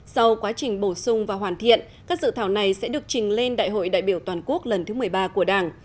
sau quá trình bổ sung và hoàn thiện các dự thảo này sẽ được trình lên đại hội đại biểu toàn quốc lần thứ một mươi ba của đảng